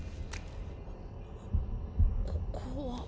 ここは？